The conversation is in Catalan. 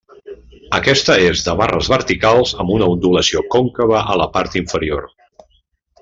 Aquesta és de barres verticals amb una ondulació còncava a la part inferior.